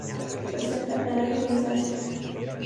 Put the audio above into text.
Presenta pelaje grisáceo.